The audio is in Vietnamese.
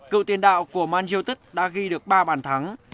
cựu tiền đạo của man youtub đã ghi được ba bàn thắng